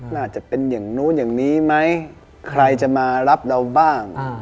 น่าจะเป็นอย่างนู้นอย่างนี้ไหมใครจะมารับเราบ้าง